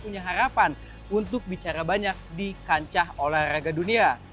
tapi kita masih punya harapan untuk bicara banyak di kancah olahraga dunia